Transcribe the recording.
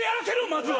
まずは！